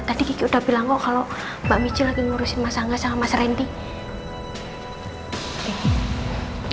tadi kiki udah bilang kok kalau mbak michi lagi ngurusin mas angga sama mas randy